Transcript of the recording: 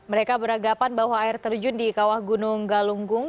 mereka beranggapan bahwa air terjun di kawah gunung galunggung